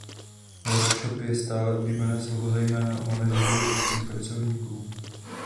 Workshop je stále oblíbené slovo zejména u manažerů a řídících pracovníků.